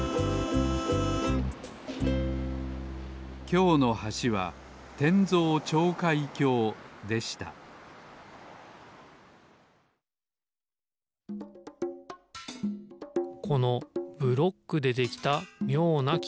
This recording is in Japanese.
きょうの橋は転造跳開橋でしたこのブロックでできたみょうなきかい。